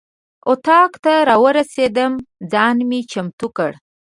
اتاق ته راورسېدم ځان مې چمتو کړ.